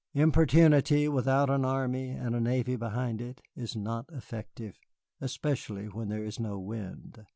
Importunity without an Army and a Navy behind it is not effective especially when there is no wind.